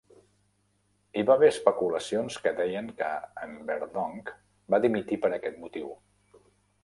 Hi va haver especulacions que deien que en Verdonk va dimitir per aquest motiu.